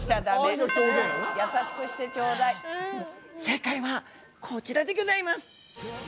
正解はこちらでギョざいます。